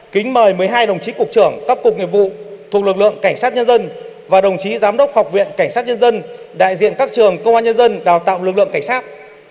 kính mời một mươi hai đồng chí cục trưởng các cục nghiệp vụ thuộc lực lượng cảnh sát nhân dân và đồng chí giám đốc học viện cảnh sát nhân dân đại diện các trường công an nhân dân đào tạo lực lượng cảnh sát